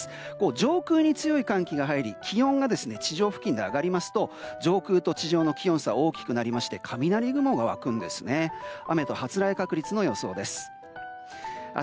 上空に強い寒気が入り、気温が地上付近で上がりますと上空と地上の気温差が大きくなりまして雷雲が湧くんですね。